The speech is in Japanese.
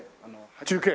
中継？